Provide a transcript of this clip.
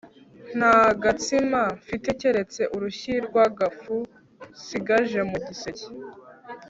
nta gatsima mfite keretse urushyi rwagafu nsigaje mu giseke